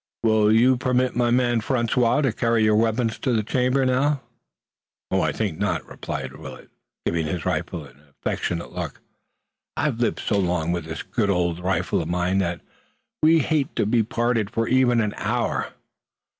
Will you permit my man, François, to carry your weapons to the chamber now?" "I think not," replied Willet, giving his rifle an affectionate look. "I've lived so long with this good old rifle of mine that we hate to be parted even for an hour.